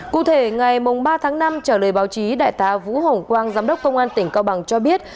cụ thể ngày ba tháng năm trả lời báo chí đại tá vũ hồng quang giám đốc công an tỉnh cao bằng cho biết